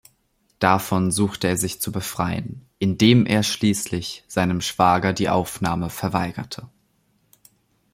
Davon suchte er sich zu befreien, indem er schließlich seinem Schwager die Aufnahme verweigerte.